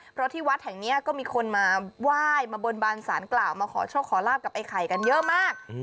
เพราะที่วัดแห่งนี้ก็มีคนมาไหว้มาบนบานสารกล่าวมาขอโชคขอลาบกับไอ้ไข่กันเยอะมาก